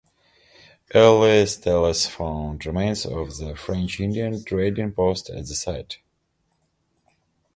Early settlers found remains of a French-Indian trading post at the site.